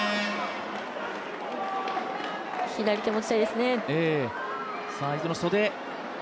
左手、持ちたいですね。